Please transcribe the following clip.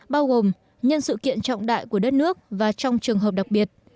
bao gồm nhân sự kiện trọng đại của đất nước và trong trường hợp đặc biệt